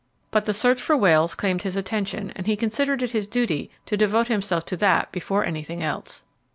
But the search for whales claimed his attention, and he considered it his duty to devote himself to that before anything else.